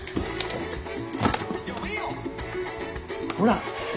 ほら！